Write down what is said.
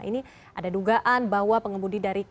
ini ada dugaan bahwa pengemudi dari